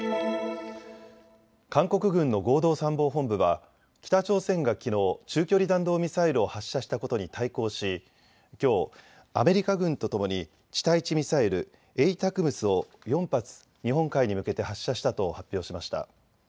韓国軍の合同参謀本部は北朝鮮がきのう中距離弾道ミサイルを発射したことに対抗しきょうアメリカ軍とともに地対地ミサイル、ＡＴＡＣＭＳを４発、日本海に向けて発射したと発表しました。